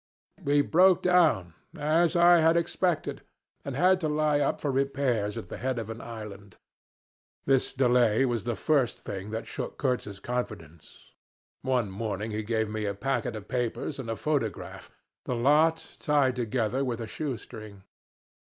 "We broke down as I had expected and had to lie up for repairs at the head of an island. This delay was the first thing that shook Kurtz's confidence. One morning he gave me a packet of papers and a photograph, the lot tied together with a shoe string.